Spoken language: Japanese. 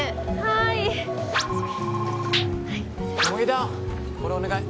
田これお願い。